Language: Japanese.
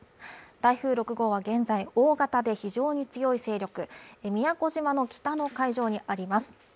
台風６号は現在、大型で非常に強い勢力宮古島の北の海上にあります